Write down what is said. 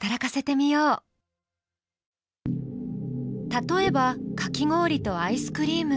例えばかき氷とアイスクリーム。